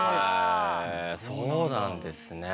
へえそうなんですね。